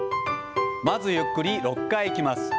まずゆっくり６回いきます。